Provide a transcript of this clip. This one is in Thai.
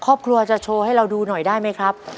ครอบครัวจะโชว์ให้เราดูหน่อยได้ไหมครับ